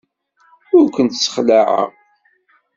Ur kent-ssexlaɛeɣ.